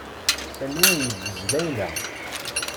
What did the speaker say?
Sami yeggez Layla.